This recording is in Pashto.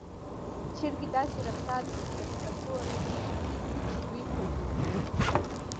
چرګې داسې رفتار کوي لکه د کور ټولې پرېکړې چې دوی کوي.